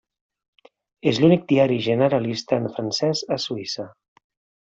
És l'únic diari generalista en francès a Suïssa.